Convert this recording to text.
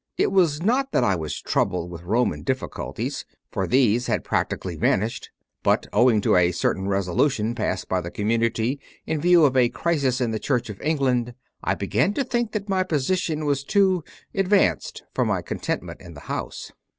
It was not that I was troubled with Roman difficulties, for these had practically vanished; but, owing to a certain resolution passed by the community in view of a crisis in the Church of England, I began to think that my position was too "advanced" for my contentment in the house.